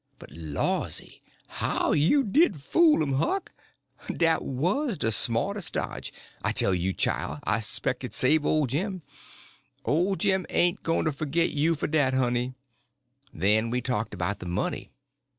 But lawsy, how you did fool 'em, Huck! Dat wuz de smartes' dodge! I tell you, chile, I'spec it save' ole Jim—ole Jim ain't going to forgit you for dat, honey." Then we talked about the money.